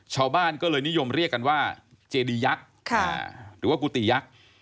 ชาวบ้านก็เลยนิยมเรียกกันว่าเจดียักษ์หรือว่ากุฏิยักษ์